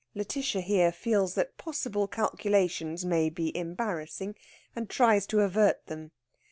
Lætitia here feels that possible calculations may be embarrassing, and tries to avert them.